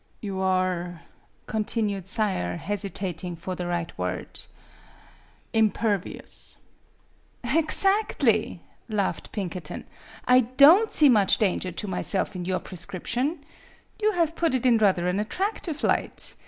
"You are," continued Sayre, hesitating for the right word" impervious." "Exactly," laughed Pinkerton. "I don't see much danger to myself in your prescrip tion. You have put it in rather an attractive light.